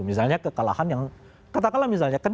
misalnya kekalahan yang